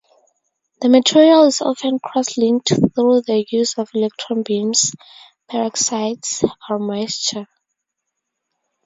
The material is often cross-linked through the use of electron beams, peroxides, or moisture.